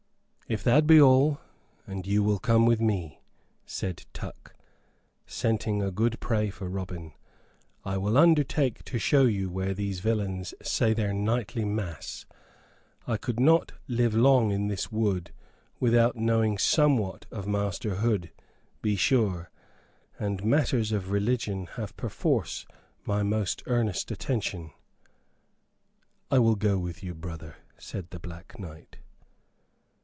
"If that be all, and you will come with me," said Tuck, scenting a good prey for Robin, "I will undertake to show you where these villains say their nightly Mass. I could not live long in this wood without knowing somewhat of Master Hood, be sure; and matters of religion have perforce my most earnest attention." "I will go with you, brother," said the Black Knight.